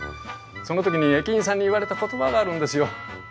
その時に駅員さんに言われた言葉があるんですよ。